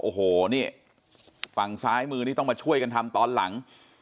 โอ้โหนี่ฝั่งซ้ายมือนี่ต้องมาช่วยกันทำตอนหลัง